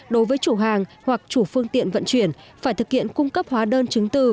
đối với chủ hàng hoặc chủ phương tiện vận chuyển phải thực hiện cung cấp hóa đơn chứng từ